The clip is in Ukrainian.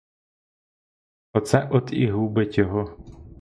Оце от і губить його.